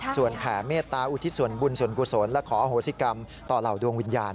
ส่วนแผ่เมตตาอุทิศส่วนบุญส่วนกุศลและขออโหสิกรรมต่อเหล่าดวงวิญญาณ